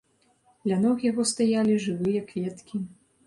Ля ног яго стаялі жывыя кветкі.